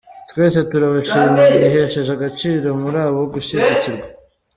Twese turabashima mwihesheje agaciro muri abo gushyigikirwa .